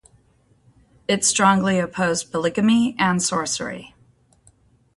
It strongly opposed polygamy and sorcery.